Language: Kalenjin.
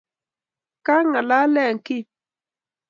Kongalale Kim